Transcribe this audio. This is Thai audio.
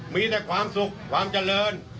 มีแต่ความสุขความเจริญ